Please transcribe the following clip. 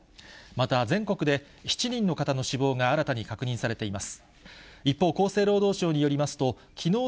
また、全国で７人の方の死亡が新たに確認されています。